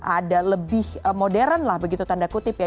ada lebih modern lah begitu tanda kutip ya